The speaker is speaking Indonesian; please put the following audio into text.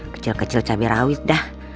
kecil kecil cabai rawit dah